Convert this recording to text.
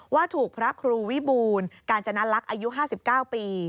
ว่าถูกพระครูวิบูลกาญจนลักษณ์อายุ๕๙ปี